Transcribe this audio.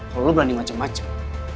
kalau lo berani macem macem